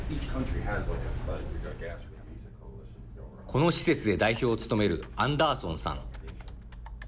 この施設で代表を務めるアンダーソンさん。